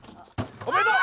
おめでとう！